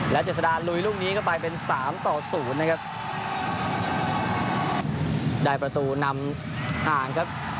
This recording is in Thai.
เจษดาลุยลูกนี้เข้าไปเป็นสามต่อศูนย์นะครับได้ประตูนำห่างครับ